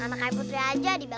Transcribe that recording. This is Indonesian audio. anak anak putri aja dibela belain